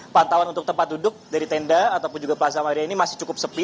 pantauan untuk tempat duduk dari tenda ataupun juga plaza maria ini masih cukup sepi